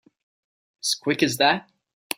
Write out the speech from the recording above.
As quick as that?